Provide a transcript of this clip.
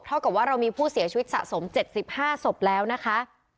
กับว่าเรามีผู้เสียชีวิตสะสม๗๕ศพแล้วนะคะ